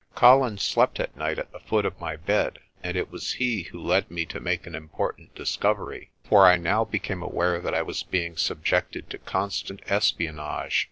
Colin slept at night at the foot of my bed, and it was he who led me to make an important discovery j for I now be came aware that I was being subjected to constant espionage.